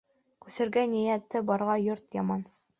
Күсергә ниәте барға йорт яман.